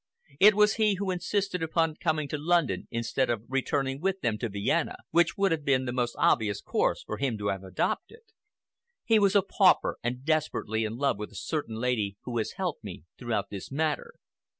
It was he who insisted upon coming to London instead of returning with them to Vienna, which would have been the most obvious course for him to have adopted. He was a pauper, and desperately in love with a certain lady who has helped me throughout this matter.